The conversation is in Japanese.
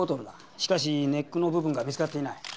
しかしネックの部分が見つかっていない。